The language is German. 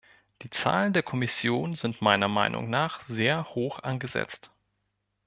Die Zahlen der Kommission sind meiner Meinung nach sehr hoch angesetzt.